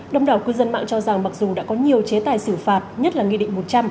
đông đảo cư dân mạng cho rằng mặc dù đã có nhiều chế tài xử phạt nhất là nghị định một trăm linh